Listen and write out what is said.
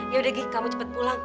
yaudah gik kamu cepet pulang